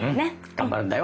頑張るんだよ！